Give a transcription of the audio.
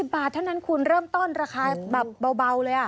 บาทเท่านั้นคุณเริ่มต้นราคาแบบเบาเลย